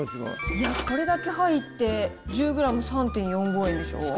これだけ入って１０グラム３．４５円でしょ？